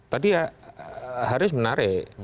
tadi ya haris menarik